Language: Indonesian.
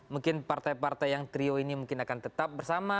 mungkin partai partai yang trio ini mungkin akan tetap bersama